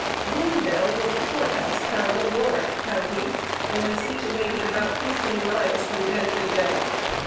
Boonville was the court house town of Warrick County, and was situated about fifteen miles from Gentryville.